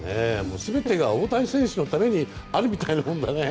全てが大谷選手のためにあるみたいなもんだね。